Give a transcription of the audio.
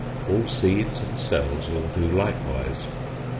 All seeds and cells will do likewise.